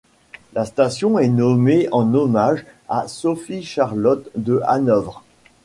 La station est nommée en hommage à Sophie-Charlotte de Hanovre.